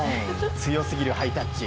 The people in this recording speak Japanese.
強すぎるハイタッチ。